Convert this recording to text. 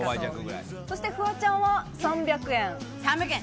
そしてフワちゃんは３００円。